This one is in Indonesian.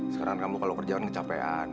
sekarang kamu kalau kerjaan kecapean